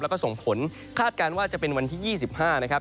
แล้วก็ส่งผลคาดการณ์ว่าจะเป็นวันที่๒๕นะครับ